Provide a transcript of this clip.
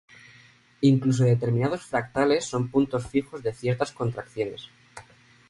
Incluso determinados fractales son puntos fijos de ciertas contracciones.